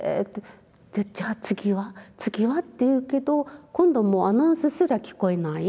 じゃあ次は次はって言うけど今度はアナウンスすら聞こえない。